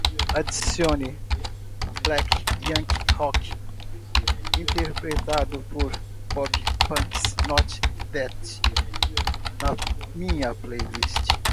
adicione Black Yankee Rock interpretado por Pop Punk's Not Dead na minha playlist